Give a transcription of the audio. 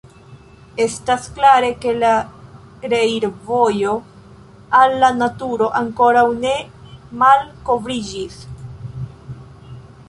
Estas klare ke la reirvojo al la naturo ankoraŭ ne malkovriĝis.